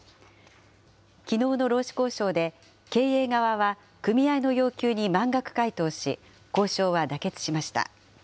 きのうの労使交渉で、経営側は組合の要求に満額回答し、交渉は妥結しました。